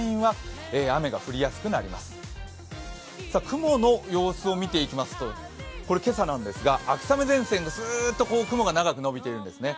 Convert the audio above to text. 雲の様子を見ていきますとこれは今朝なんですが秋雨前線がすーっと雲が長く延びているんですね。